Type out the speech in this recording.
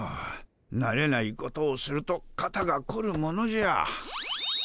なれないことをすると肩がこるものじゃ。